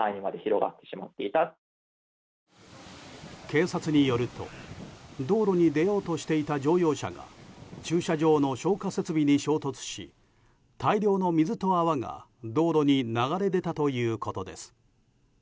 警察によると道路に出ようとしていた乗用車が駐車場の消火設備に衝突し大量の水と泡が道路に流れ出たということです。